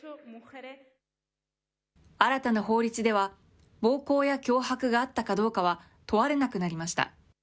新たな法律では、暴行や脅迫があったかどうかは問われなくなりました。